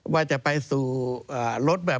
ว่าจะไปสู่รถแบบ